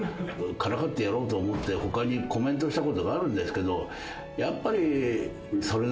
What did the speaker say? からかってやろうと思って他にコメントしたことがあるんですけどやっぱり」